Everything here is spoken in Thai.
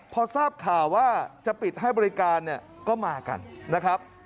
พอทราบข่าวว่าจะปิดให้บริการเนี่ยก็มากันนะครับ